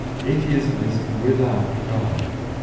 Atheism is without God.